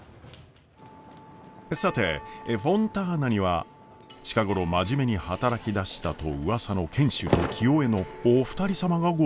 さてフォンターナには近頃真面目に働きだしたとうわさの賢秀と清恵のお二人様がご来店！